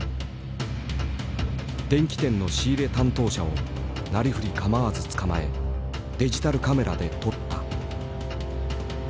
電器店の仕入れ担当者をなりふり構わずつかまえデジタルカメラで撮った。